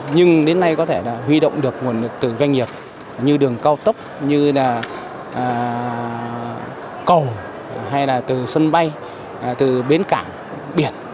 nhưng đến nay có thể là huy động được nguồn lực từ doanh nghiệp như đường cao tốc như là cầu hay là từ sân bay từ bến cảng biển